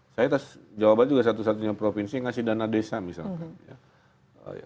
saya tas jawa barat juga satu satunya provinsi yang ngasih dana desa misalnya